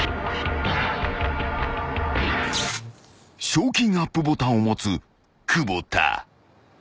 ［賞金アップボタンを持つ久保田］